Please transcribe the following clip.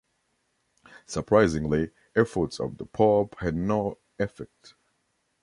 Surprisingly, efforts of the pope had no effect.